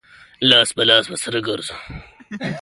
لاس په لاس به سره ځو.